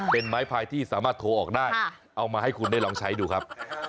เป็นไม้พายที่สามารถโทรออกได้เอามาให้คุณได้ลองใช้ดูครับ